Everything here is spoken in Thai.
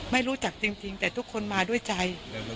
ไม่รู้จักจริงแต่ทุกคนมาด้วยใจ